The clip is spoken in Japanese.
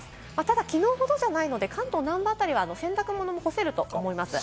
ただ、きのうほどじゃないので、関東の辺りは洗濯物も干せると思います。